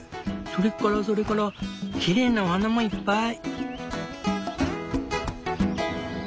それからそれからきれいなお花もいっぱい！